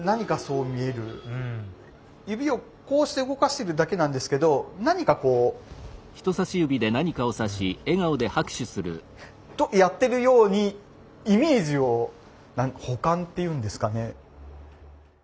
指をこうして動かしてるだけなんですけど何かこう。とやってるようにイメージを補完っていうんですかね。